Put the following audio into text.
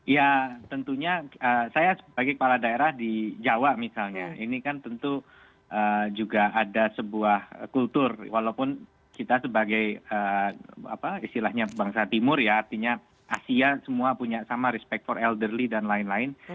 ya tentunya saya sebagai kepala daerah di jawa misalnya ini kan tentu juga ada sebuah kultur walaupun kita sebagai apa istilahnya bangsa timur ya artinya asia semua punya sama respector elderly dan lain lain